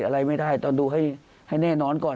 อะไรไม่ได้ตอนดูให้แน่นอนก่อน